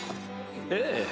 ええ。